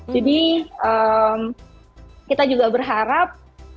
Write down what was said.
jadi kita juga berharap